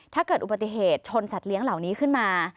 ถ้าเกิดอุบัติเหตุชนสัตว์เลี้ยงเหล่านี้ขึ้นมา